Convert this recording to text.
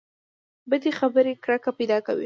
بدې خبرې کرکه پیدا کوي.